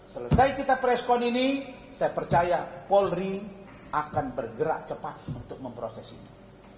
selesai kita preskon ini saya percaya polri akan bergerak cepat untuk memproses ini